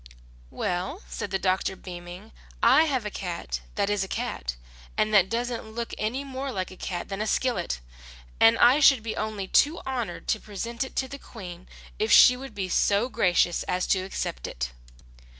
"Well," said the doctor, beaming, "I have a cat that is a cat and that doesn't look any more like a cat than a skillet, and I should be only too honoured to present it to the Queen if she would be so gracious as to accept it."